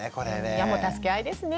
いやもう助け合いですね